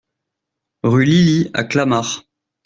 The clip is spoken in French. Rue Lily à Clamart